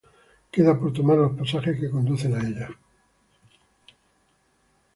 Queda por tomar los pasajes que conducen a ella.